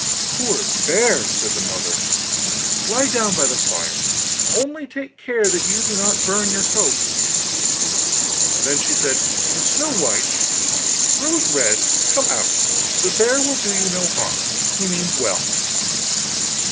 'Poor bear,' said the mother, 'lie down by the fire, only take care that you do not burn your coat.' Then she cried: 'Snow white, Rose red, come out, the bear will do you no harm, he means well.